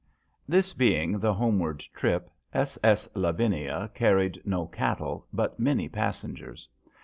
HIS being the homeward trip, SS. Lavinia carried no cattle, but many passengers.